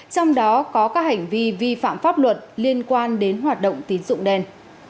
trong đó có các hành vi vi phạm pháp luật liên quan đến hoạt động tín dụng đen